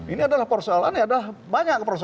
ini adalah persoalan yang banyak